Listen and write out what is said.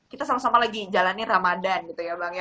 kita sama sama lagi jalanin ramadhan gitu ya bang ya